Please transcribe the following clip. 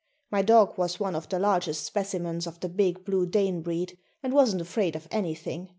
My dog was one of the largest specimens of the big blue Dane breed and wasn't afraid of anything.